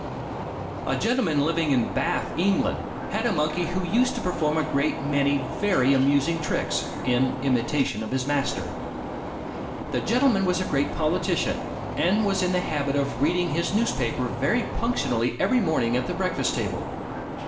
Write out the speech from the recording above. A gentleman living in Bath, England, had a monkey who used to perform a great many very amusing tricks, in imitation of his master. The gentleman was a great politician, and was in the habit of reading his newspaper very punctually every morning, at the breakfast table.